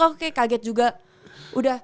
aku kayak kaget juga udah